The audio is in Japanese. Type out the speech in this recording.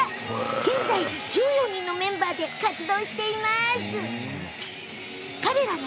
現在１４人のメンバーで活動しているの。